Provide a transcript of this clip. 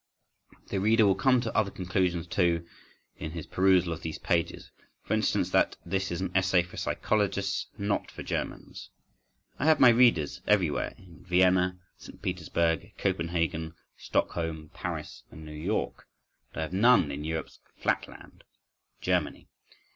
The reader will come to other conclusions, too, in his perusal of these pages: for instance, that this is an essay for psychologists and not for Germans.… I have my readers everywhere, in Vienna, St Petersburg, Copenhagen, Stockholm, Paris, and New York—but I have none in Europe's Flat land—Germany.